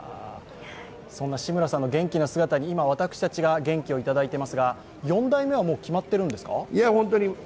そんな志村さんの元気な姿に今、私たちが元気をいただいていますが４代目はもう決まってるんですか？